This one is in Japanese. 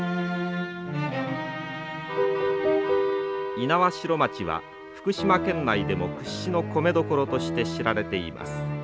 猪苗代町は福島県内でも屈指の米どころとして知られています。